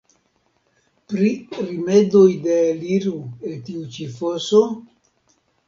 Pri rimedoj de eliro el tiu ĉi foso?